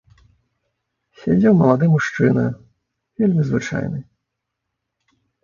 Сядзеў малады мужчына, вельмі звычайны.